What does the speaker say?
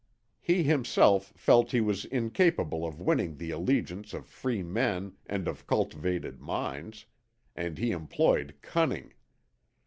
He himself felt he was incapable of winning the allegiance of free men and of cultivated minds, and he employed cunning.